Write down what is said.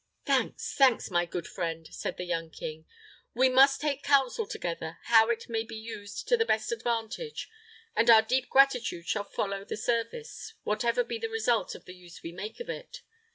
"Thanks, thanks, my good friend," said the young king. "We must take counsel together how it may be used to the best advantage; and our deep gratitude shall follow the service, whatever be the result of the use we make of it.